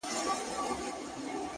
• په غومبر او په مستیو ګډېدلې ,